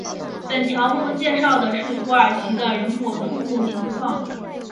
本条目介绍的是土耳其的人口数目情况。